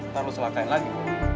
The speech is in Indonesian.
nanti lo selakain lagi